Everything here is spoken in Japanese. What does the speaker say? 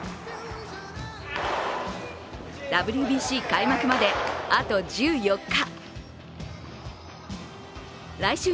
ＷＢＣ開幕まであと１４日。